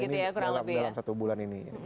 dalam satu bulan ini